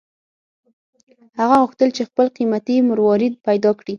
هغه غوښتل چې خپل قیمتي مروارید پیدا کړي.